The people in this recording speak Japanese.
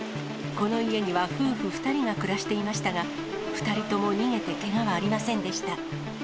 この家には夫婦２人が暮らしていましたが、２人とも逃げてけがはありませんでした。